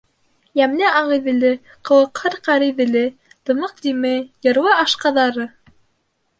Йәмле Ағиҙеле, ҡылыҡһыр Ҡариҙеле, тымыҡ Диме, йырлы Ашҡаҙары!